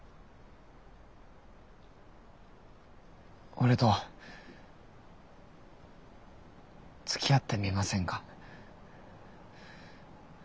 俺とつきあってみませんか？